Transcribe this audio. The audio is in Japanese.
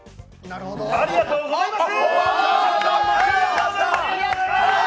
ありがとうございます！